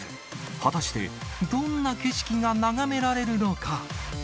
果たしてどんな景色が眺められるのか。